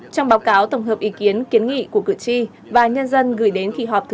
trong báo cáo tổng hợp ý kiến kiến nghị của cử tri và nhân dân gửi đến kỳ họp thứ tám